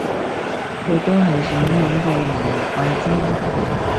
佢都係想搵個人嚟怪啫